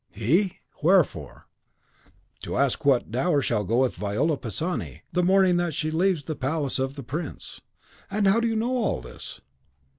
"He! wherefore?" "To ask what dower shall go with Viola Pisani, the morning that she leaves the palace of the prince." "And how do you know all this?"